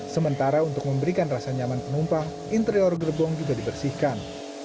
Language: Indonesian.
sementara untuk memberikan rasa nyaman penumpang interior gerbong juga dibersihkan